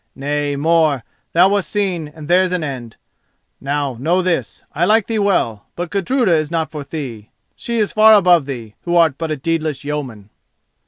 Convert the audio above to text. Nay, more, thou wast seen, and there's an end. Now know this—I like thee well, but Gudruda is not for thee; she is far above thee, who art but a deedless yeoman."